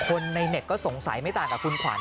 ในเน็ตก็สงสัยไม่ต่างกับคุณขวัญ